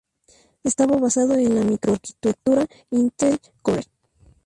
Está basado en la microarquitectura Intel Core.